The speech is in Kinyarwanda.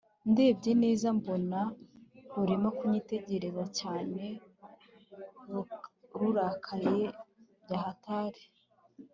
ndebye neza mbona rurimo kunyitegereza cyane rurakaye byahatari